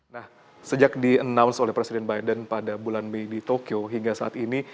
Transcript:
nah sejak di announce oleh presiden biden pada bulan mei di tokyo hingga saat ini